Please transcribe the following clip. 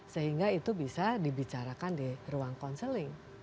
sehingga itu bisa dibicarakan di ruang counseling